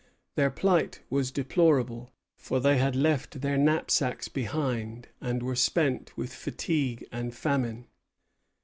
Their plight was deplorable; for they had left their knapsacks behind, and were spent with fatigue and famine.